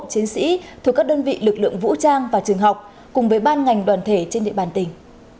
chiến sĩ thuộc các đơn vị lực lượng vũ trang và trường học cùng với ban ngành đoàn thể trên địa bàn tỉnh